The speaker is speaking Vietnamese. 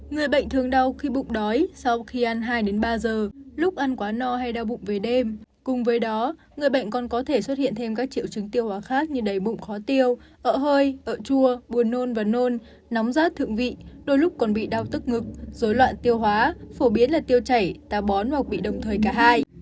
người bệnh thường đau khi bụng đói sau khi ăn hai ba giờ lúc ăn quá no hay đau bụng về đêm cùng với đó người bệnh còn có thể xuất hiện thêm các triệu chứng tiêu hóa khác như đầy bụng khó tiêu ỡi ở chua buồn nôn và nôn nóng rát thượng vị đôi lúc còn bị đau tức ngực dối loạn tiêu hóa phổ biến là tiêu chảy tá bón hoặc bị đồng thời cả hai